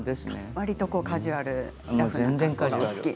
わりとカジュアルなんですね。